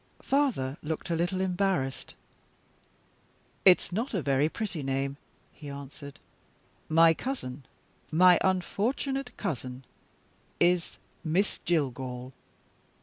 Father looked a little embarrassed "It's not a very pretty name," he answered. "My cousin, my unfortunate cousin, is Miss Jillgall."